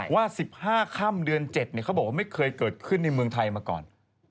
ว่า๑๕ค่ำเดือน๗เขาบอกว่าไม่เคยเกิดขึ้นในเมืองไทยมาก่อน